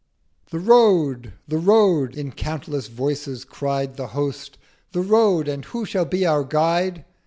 'The Road! The Road!' in countless voices cried 1100 The Host—'The Road! and who shall be our Guide?'